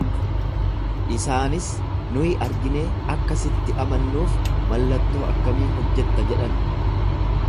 Isaanis, Nuyi arginee akka sitti amannuuf mallattoo akkamii hojjetta jedhan.